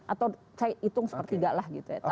atau saya hitung sepertiga lah gitu ya